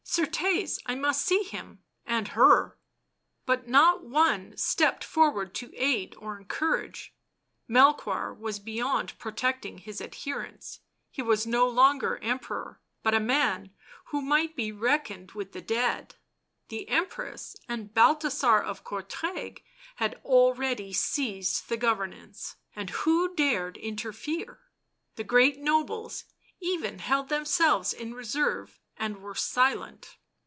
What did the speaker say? " Certes, I must see him— and her." But not one stepped forward to aid or encourage ; Melchoir was beyond protecting his adherents, he was no longer Emperor, but a man who might be reckoned with the dead, the Empress and Balthasar of Courtrai had already seized the governance, and who dared interfere ; the great nobles even held themselves in reserve and were silent.